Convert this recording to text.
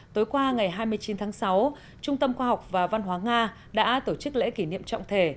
tối qua ngày hai mươi chín tháng sáu trung tâm khoa học và văn hóa nga đã tổ chức lễ kỷ niệm trọng thể